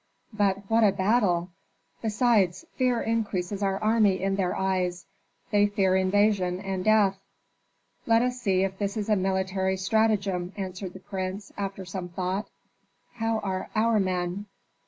"But what a battle! Besides, fear increases our army in their eyes. They fear invasion and death." "Let us see if this is a military stratagem," answered the prince, after some thought. "How are our men?"